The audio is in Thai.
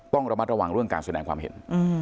ต้องระมัดระวังเรื่องการแสดงความเห็น